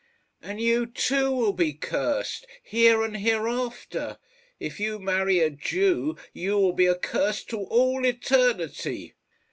"And you too will be cursed here and hereafter. If you marry a Jew you will be accursed to all eternity."